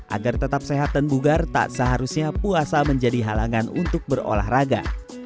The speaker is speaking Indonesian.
agar tetap sehat dan bugar tak seharusnya puasa menjadi halangan untuk berolahraga